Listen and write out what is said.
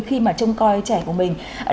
khi mà trông coi trẻ của mình